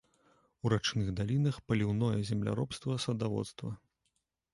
У рачных далінах паліўное земляробства, садаводства.